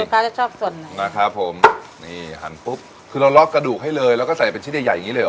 แล้วแต่ลูกค้าจะชอบส่วนไหนนะครับผมนี่หันปุ๊บคือเราล็อกกระดูกให้เลยแล้วก็ใส่เป็นชิ้นใหญ่อย่างนี้เลยหรือ